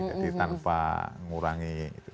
jadi tanpa ngurangi